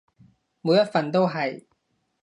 每一份都係